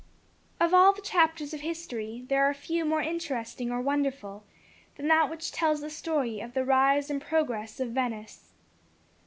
Of all the chapters of history, there are few more interesting or wonderful than that which tells the story of the rise and progress of Venice.